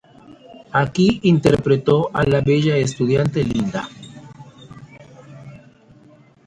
Aquí interpretó a la bella estudiante Linda.